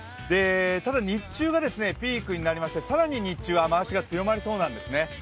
ただ日中がピークになりまして、更に日中は雨足が強まりそうなんですね。